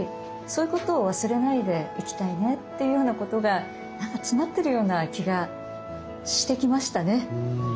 そういうことを忘れないでいきたいねっていうようなことがなんか詰まってるような気がしてきましたね。